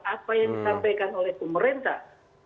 apa yang disampaikan oleh pemerintah